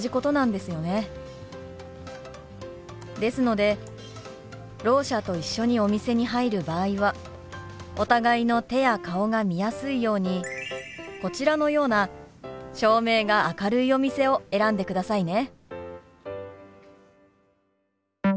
ですのでろう者と一緒にお店に入る場合はお互いの手や顔が見やすいようにこちらのような照明が明るいお店を選んでくださいね。